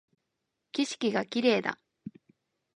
景色が綺麗だ